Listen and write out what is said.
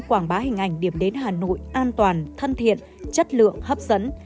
quảng bá hình ảnh điểm đến hà nội an toàn thân thiện chất lượng hấp dẫn